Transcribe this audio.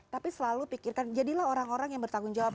yang dikatakan orang yang bertanggung jawab